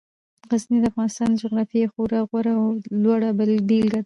غزني د افغانستان د جغرافیې یوه خورا غوره او لوړه بېلګه ده.